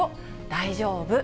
大丈夫。